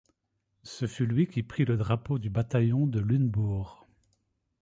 Ce fut lui qui prit le drapeau du bataillon de Lunebourg.